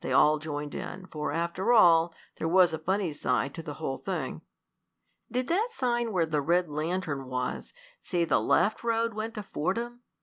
They all joined in, for, after all, there was a funny side to the whole thing. "Did that sign where the red lantern was say the left road went to Fordham?"